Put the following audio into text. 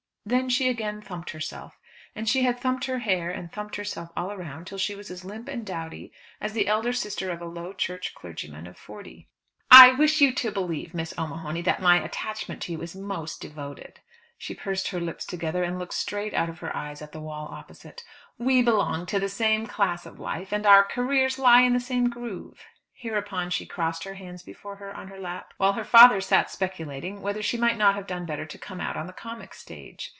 Then she again thumped herself. And she had thumped her hair, and thumped herself all round till she was as limp and dowdy as the elder sister of a Low Church clergyman of forty. "I wish you to believe, Miss O'Mahony, that my attachment to you is most devoted." She pursed her lips together and looked straight out of her eyes at the wall opposite. "We belong to the same class of life, and our careers lie in the same groove." Hereupon she crossed her hands before her on her lap, while her father sat speculating whether she might not have done better to come out on the comic stage.